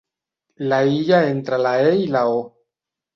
L'aïlla entre la e i la o.